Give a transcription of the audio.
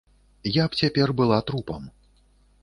Я б цяпер была трупам.